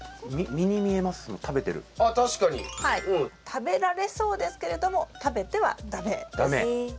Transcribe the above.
食べられそうですけれども食べては駄目です。